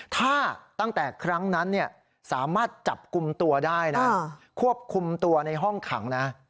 ถ้าตั้งแต่ครั้งนั้นสามารถจับกลุ่มตัวได้นะควบคุมตัวในห้องขังนะ